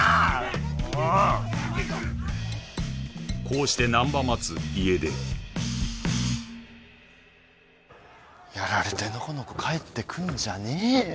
［こうして難破松家出］やられてのこのこ帰ってくんじゃねえよ。